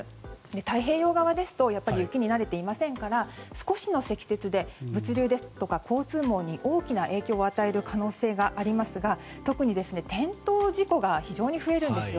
太平洋側ですと雪に慣れていませんから少しの積雪で物流や交通機関に大きな影響を与える可能性がありますが特に、転倒事故が非常に増えるんです。